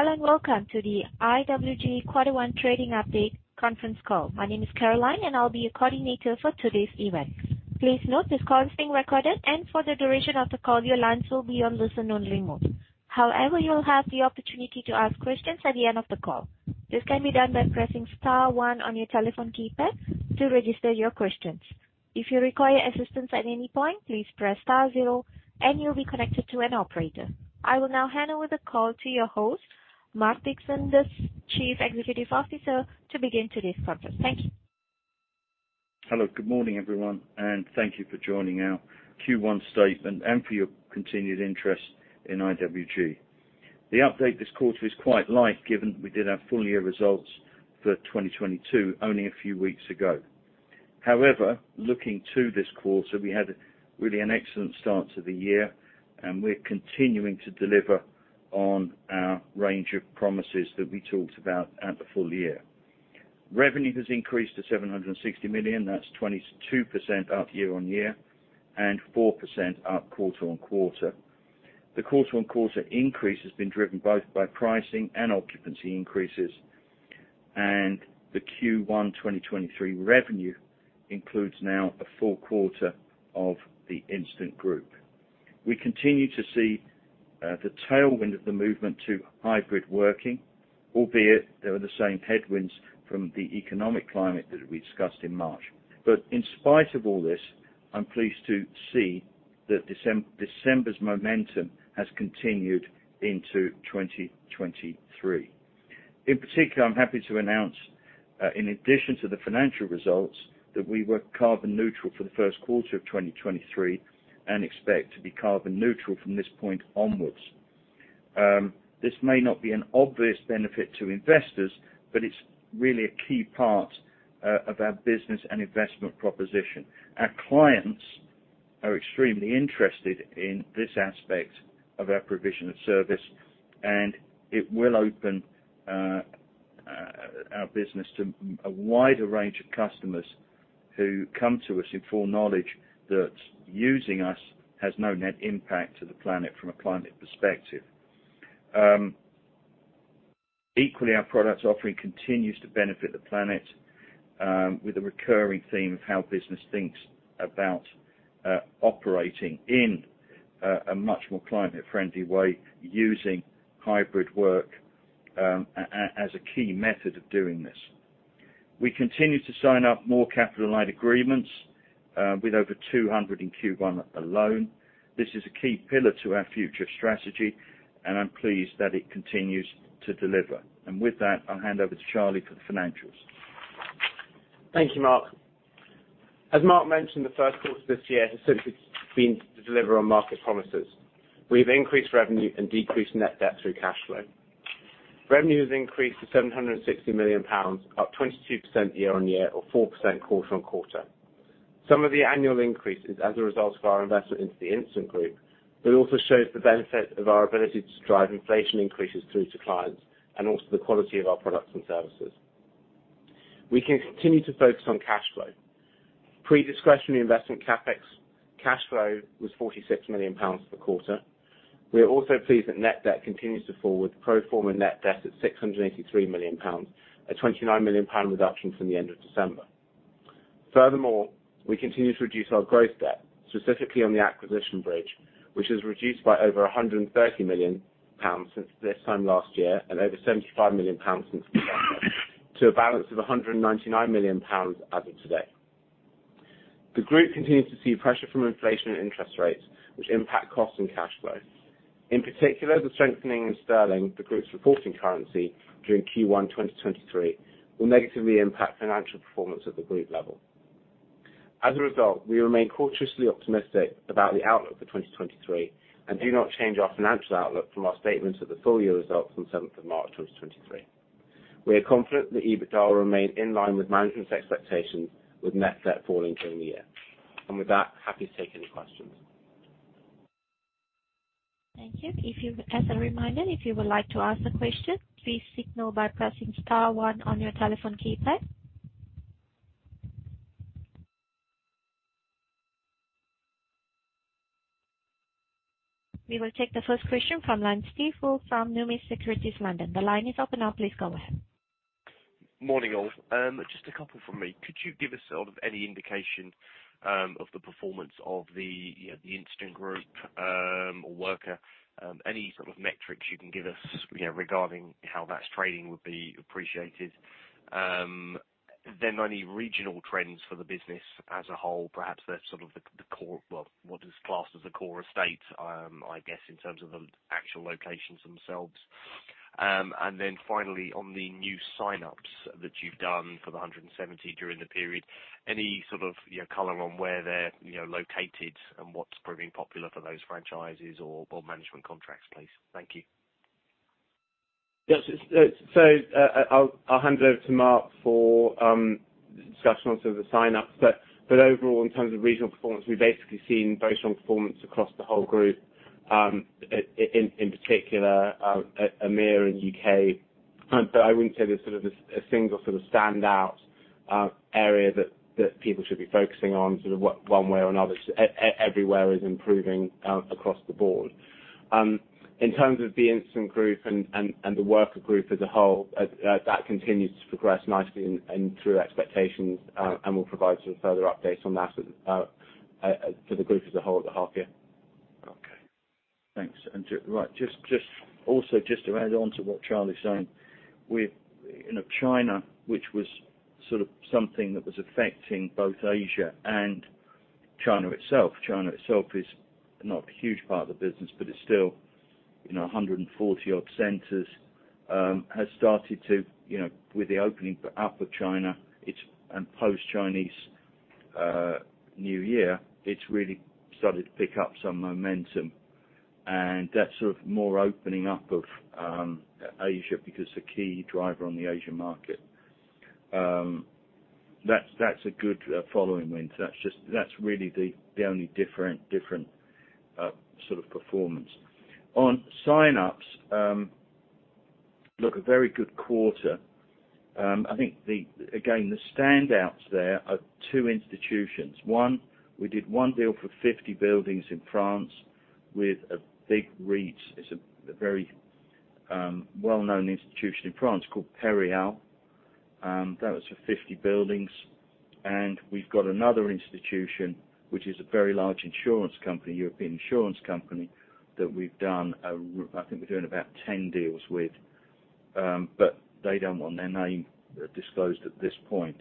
Hello, welcome to the IWG Quarter One Trading Update Conference Call. My name is Caroline, and I'll be your coordinator for today's event. Please note this call is being recorded, and for the duration of the call, your lines will be on listen-only mode. However, you'll have the opportunity to ask questions at the end of the call. This can be done by pressing star one on your telephone keypad to register your questions. If you require assistance at any point, please press star zero, and you'll be connected to an operator. I will now hand over the call to your host, Mark Dixon, Chief Executive Officer, to begin today's conference. Thank you. Hello. Good morning, everyone, thank you for joining our Q1 statement and for your continued interest in IWG. The update this quarter is quite light, given we did our full year results for 2022 only a few weeks ago. However, looking to this quarter, we had really an excellent start to the year, and we're continuing to deliver on our range of promises that we talked about at the full year. Revenue has increased to 760 million. That's 22% up year-on-year and 4% up quarter-on-quarter. The quarter-on-quarter increase has been driven both by pricing and occupancy increases. The Q1 2023 revenue includes now a full quarter of The Instant Group. We continue to see the tailwind of the movement to hybrid working, albeit there are the same headwinds from the economic climate that we discussed in March. In spite of all this, I'm pleased to see that December's momentum has continued into 2023. In particular, I'm happy to announce, in addition to the financial results, that we were carbon neutral for the first quarter of 2023 and expect to be carbon neutral from this point onwards. This may not be an obvious benefit to investors, but it's really a key part of our business and investment proposition. Our clients are extremely interested in this aspect of our provision of service. It will open our business to a wider range of customers who come to us in full knowledge that using us has no net impact to the planet from a climate perspective. Equally, our products offering continues to benefit the planet with a recurring theme of how business thinks about operating in a much more climate friendly way using hybrid work as a key method of doing this. We continue to sign up more capital light agreements with over 200 in Q1 alone. This is a key pillar to our future strategy, and I'm pleased that it continues to deliver. With that, I'll hand over to Charlie for the financials. Thank you, Mark. As Mark mentioned, the first quarter this year has simply been to deliver on market promises. We've increased revenue and decreased net debt through cash flow. Revenue has increased to 760 million pounds, up 22% year-on-year or 4% quarter-on-quarter. Some of the annual increases as a result of our investment into The Instant Group. It also shows the benefit of our ability to drive inflation increases through to clients and also the quality of our products and services. We can continue to focus on cash flow. Pre-discretionary investment CapEx cash flow was 46 million pounds per quarter. We are also pleased that net debt continues to fall, with pro forma net debt at 683 million pounds, a 29 million pound reduction from the end of December. Furthermore, we continue to reduce our gross debt, specifically on the acquisition bridge, which has reduced by over 130 million pounds since this time last year and over 75 million pounds since December, to a balance of 199 million pounds as of today. The group continues to see pressure from inflation and interest rates, which impact cost and cash flow. In particular, the strengthening in sterling, the group's reporting currency during Q1 2023, will negatively impact financial performance at the group level. As a result, we remain cautiously optimistic about the outlook for 2023 and do not change our financial outlook from our statement of the full year results on seventh of March, 2023. We are confident that EBITDA will remain in line with management's expectations, with net debt falling during the year. With that, happy to take any questions. Thank you. As a reminder, if you would like to ask a question, please signal by pressing star one on your telephone keypad. We will take the first question from Calum Battersby from Numis Securities, London. The line is open now. Please go ahead. Morning, all. Just a couple from me. Could you give us sort of any indication of the performance of the, you know, The Instant Group, or worker? Any sort of metrics you can give us, you know, regarding how that's trading would be appreciated. Then on any regional trends for the business as a whole, perhaps that's sort of the core. Well, what is classed as the core estate, I guess in terms of the actual locations themselves. Finally, on the new sign-ups that you've done for the 170 during the period, any sort of, you know, color on where they're, you know, located and what's proving popular for those franchises or management contracts, please? Thank you. I'll hand over to Mark for discussion onto the sign-ups. Overall, in terms of regional performance, we've basically seen very strong performance across the whole group, in particular, EMEA and U.K. I wouldn't say there's sort of a single sort of standout area that people should be focusing on sort of one way or another. Everywhere is improving across the board. In terms of The Instant Group and the worker group as a whole, that continues to progress nicely and through expectations, and we'll provide some further updates on that for the group as a whole at the half year. Okay. Thanks. Right. Just, also just to add on to what Charlie's saying, with, you know, China, which was sort of something that was affecting both Asia and China itself, China itself is not a huge part of the business, but it's still, you know, 140 odd centers, has started to, you know, with the opening up of China, and post-Chinese New Year, it's really started to pick up some momentum. That's sort of more opening up of Asia because the key driver on the Asia market. That's a good following wind. That's really the only different sort of performance. On signups, look, a very good quarter. I think again, the standouts there are two institutions. One, we did one deal for 50 buildings in France with a big REIT. It's a very, well-known institution in France called PERIAL. That was for 50 buildings. We've got another institution, which is a very large insurance company, European insurance company, that we've done, I think we're doing about 10 deals with, but they don't want their name disclosed at this point.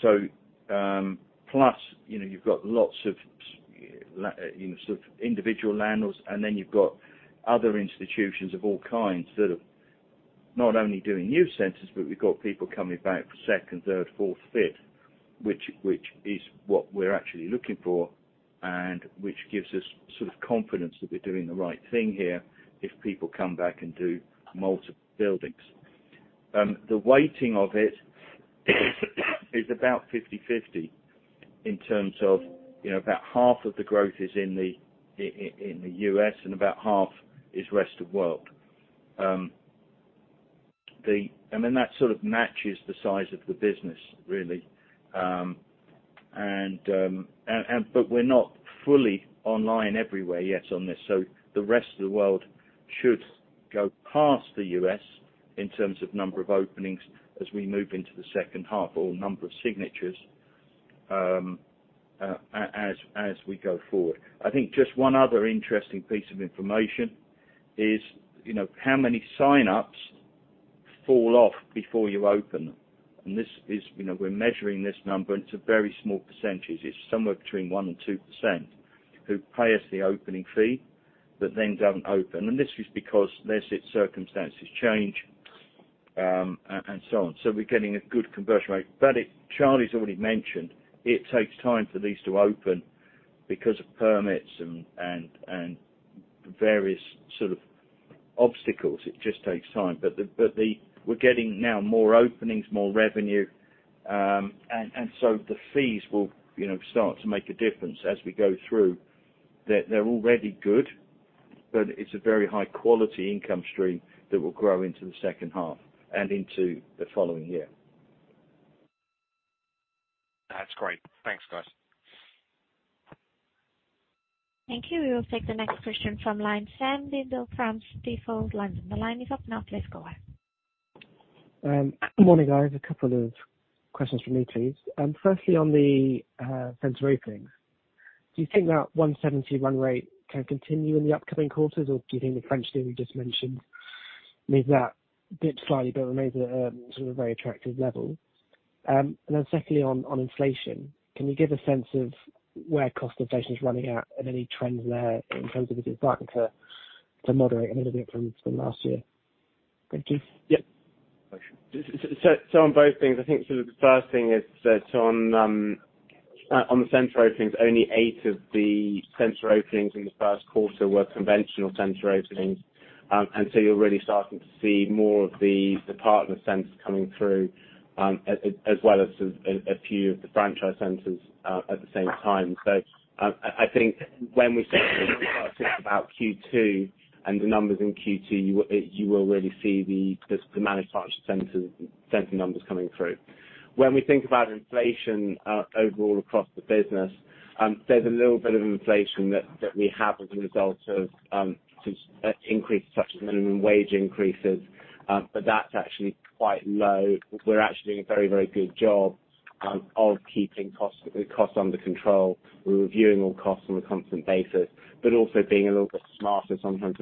Plus, you know, you've got lots of you know, sort of individual landlords, and then you've got other institutions of all kinds sort of not only doing new centers, but we've got people coming back for second, third, fourth, fifth, which is what we're actually looking for and which gives us sort of confidence that we're doing the right thing here if people come back and do multiple buildings. The weighting of it is about 50/50 in terms of, you know, about half of the growth is in the U.S. and about half is rest of world. That sort of matches the size of the business, really. We're not fully online everywhere yet on this. The rest of the world should go past the U.S. in terms of number of openings as we move into the second half or number of signatures as we go forward. I think just one other interesting piece of information is, you know, how many signups fall off before you open them. This is, you know, we're measuring this number, and it's a very small percentage. It's somewhere between 1%-2% who pay us the opening fee, but then don't open. This is because their circumstances change and so on. We're getting a good conversion rate. Charlie's already mentioned it takes time for these to open because of permits and various sort of obstacles. It just takes time. We're getting now more openings, more revenue, and so the fees will, you know, start to make a difference as we go through. They're already good, but it's a very high-quality income stream that will grow into the second half and into the following year. That's great. Thanks, guys. Thank you. We will take the next question from line of Sam Dindol, stifel London. The line is open now. Please go ahead. Good morning, guys. A couple of questions from me, please. Firstly, on the center openings, do you think that 170 run rate can continue in the upcoming quarters, or do you think the crunch thing we just mentioned means that dips slightly but remains at a, sort of very attractive level? Secondly, on inflation, can you give a sense of where cost inflation is running at and any trends there in terms of it starting to moderate a little bit from last year? Thank you. Yeah. So on both things, I think sort of the first thing is that on the center openings, only eight of the center openings in the first quarter were conventional center openings. You're really starting to see more of the partner centers coming through as well as a few of the franchise centers at the same time. I think when we start to think about Q2 and the numbers in Q2, you will really see the managed franchise centers numbers coming through. When we think about inflation overall across the business, there's a little bit of inflation that we have as a result of increase such as minimum wage increases, but that's actually quite low. We're actually doing a very, very good job of keeping costs under control. We're reviewing all costs on a constant basis, but also being a little bit smarter sometimes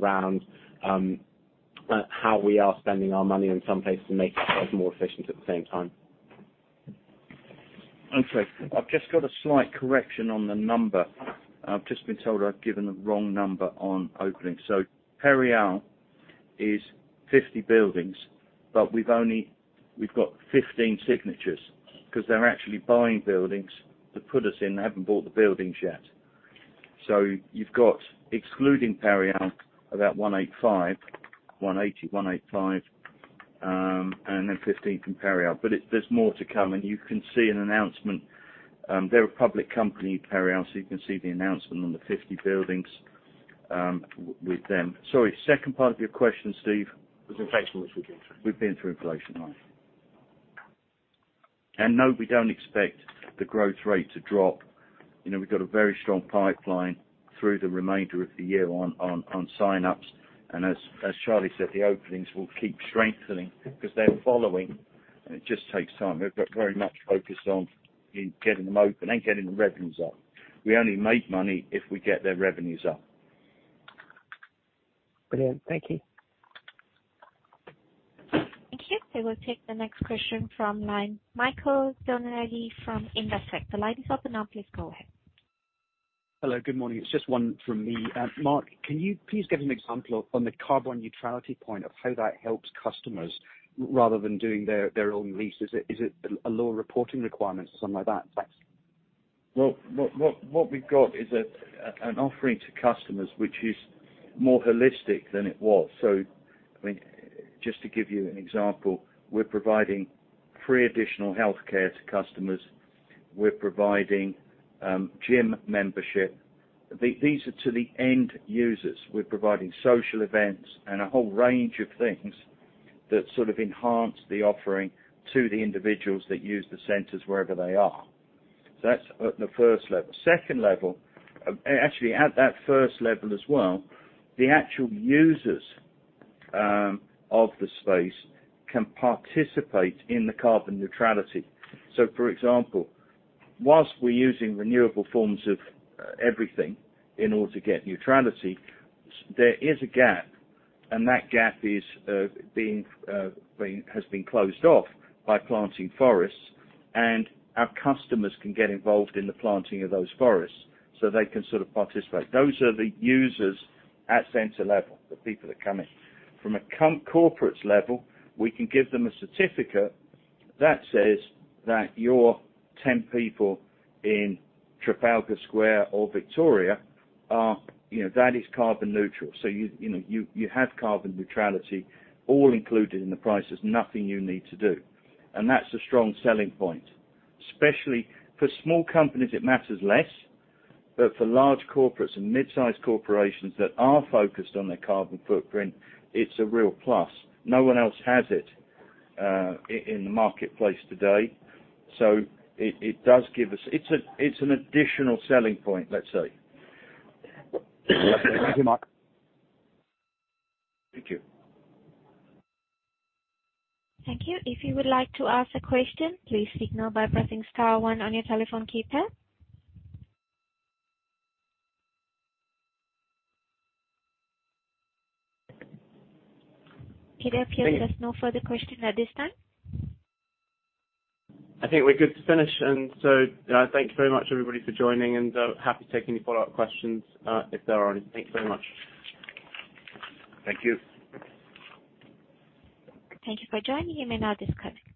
around how we are spending our money in some places to make ourselves more efficient at the same time. Okay. I've just got a slight correction on the number. I've just been told I've given the wrong number on openings. PERIAL is 50 buildings, but we've only we've got 15 signatures because they're actually buying buildings to put us in. They haven't bought the buildings yet. You've got, excluding Perial, about 185, 180, 185, and then 15 from PERIAL. There's more to come, and you can see an announcement, they're a public company, PERIAL, so you can see the announcement on the 50 buildings with them. Sorry, second part of your question, Steve? Was inflation, which we've been through. We've been through inflation, right. No, we don't expect the growth rate to drop. You know, we've got a very strong pipeline through the remainder of the year on sign-ups, as Charlie said, the openings will keep strengthening because they're following, and it just takes time. We've got very much focused on getting them open and getting the revenues up. We only make money if we get their revenues up. Brilliant. Thank you. Thank you. I will take the next question from Michael Donnelly from Investec. The line is open now. Please go ahead. Hello, good morning. It's just one from me. Mark, can you please give an example on the carbon neutrality point of how that helps customers rather than doing their own lease? Is it a lower reporting requirement or something like that? Thanks. Well, what we've got is a, an offering to customers which is more holistic than it was. I mean, just to give you an example, we're providing free additional healthcare to customers. We're providing gym membership. These are to the end users. We're providing social events and a whole range of things that sort of enhance the offering to the individuals that use the centers wherever they are. That's at the first level. Second level. Actually, at that first level as well, the actual users of the space can participate in the carbon neutrality. For example, whilst we're using renewable forms of everything in order to get neutrality, there is a gap, and that gap is has been closed off by planting forests, and our customers can get involved in the planting of those forests, so they can sort of participate. Those are the users at center level, the people that are coming. From a corporate level, we can give them a certificate that says that your 10 people in Trafalgar Square or Victoria are, you know, that is carbon neutral. You, you know, you have carbon neutrality all included in the prices, nothing you need to do. That's a strong selling point, especially for small companies, it matters less, but for large corporates and mid-sized corporations that are focused on their carbon footprint, it's a real plus. No one else has it, in the marketplace today. It does give us. It's an additional selling point, let's say. Thank you, Mark. Thank you. Thank you. If you would like to ask a question, please signal by pressing star one on your telephone keypad. Okay, it appears there's no further questions at this time. I think we're good to finish. Thank you very much everybody for joining, and happy to take any follow-up questions, if there are any. Thanks very much. Thank you. Thank you for joining. You may now disconnect.